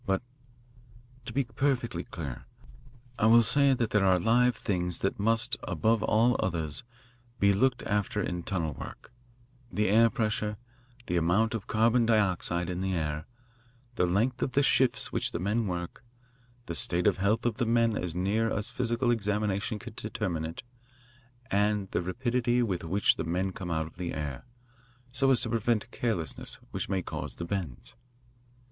But, to be perfectly clear, I will say that there are live things that must, above all others, be looked after in tunnel work: the air pressure, the amount of carbon dioxide in the air, the length of the shifts which the men work, the state of health of the men as near as physical examination can determine it, and the rapidity with which the men come out of the air, so as to prevent carelessness which may cause the bends.